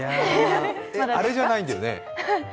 あれじゃないんだよね？